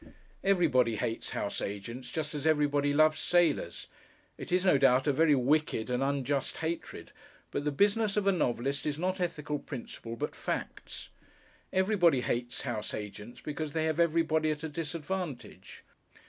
Everybody hates house agents just as everybody loves sailors. It is no doubt a very wicked and unjust hatred, but the business of a novelist is not ethical principle but facts. Everybody hates house agents because they have everybody at a disadvantage.